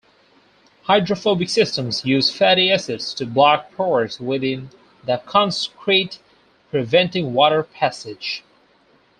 Hydrophobic systems use fatty acids to block pores within the concrete, preventing water passage.